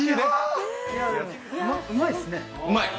うまいですね。